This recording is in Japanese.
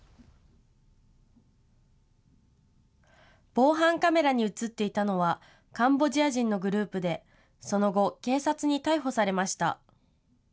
防犯カメラに写っていたのはカンボジア人のグループでその後、警察に逮捕されました。